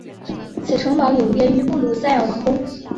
此城堡有别于布鲁塞尔王宫。